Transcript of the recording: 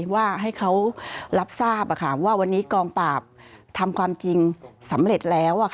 ว่าให้เขารับทราบว่าวันนี้กองปราบทำความจริงสำเร็จแล้ว